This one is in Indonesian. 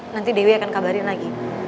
nanti dewi akan kabarin lagi